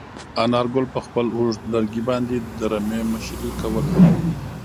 انارګل په خپل اوږد لرګي باندې د رمې مشري کوله.